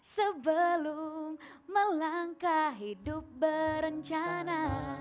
sebelum melangkah hidup berencana